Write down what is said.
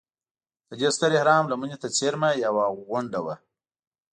د دې ستر اهرام لمنې ته څېرمه یوه غونډه وه.